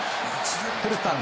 古田さん